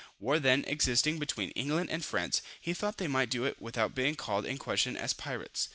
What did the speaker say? War then existing between England and France, he thought they might do it without being called in question as pirates.